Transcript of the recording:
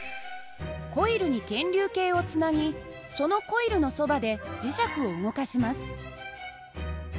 コイルに検流計をつなぎそのコイルのそばで磁石を動かします。